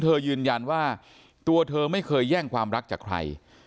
ยืนยันว่าตัวเธอไม่เคยแย่งความรักจากใคร